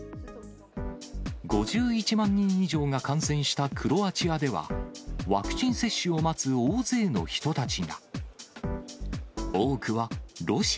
５１万人以上が感染したクロアチアでは、ワクチン接種を待つ大勢の人たちが。